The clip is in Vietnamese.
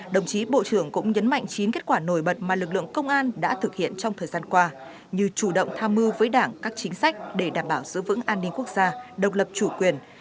đồng chí bộ trưởng cũng nhấn mạnh chín kết quả nổi bật mà lực lượng công an đã thực hiện trong thời gian qua như chủ động tham mưu với đảng các chính sách để đảm bảo giữ vững an ninh quốc gia độc lập chủ quyền